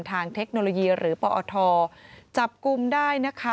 เทคโนโลยีหรือปอทจับกลุ่มได้นะคะ